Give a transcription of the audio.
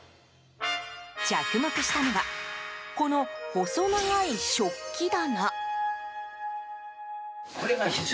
着目したのはこの細長い食器棚。